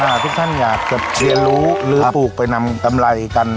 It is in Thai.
ทุกท่านอยากจะเรียนรู้หรือปลูกไปนำกำไรกัน